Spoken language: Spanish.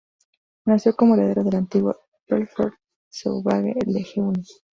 Nació como heredero del antiguo Pelforth-Sauvage-Lejeune.